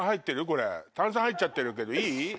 これ炭酸入っちゃってるけどいい？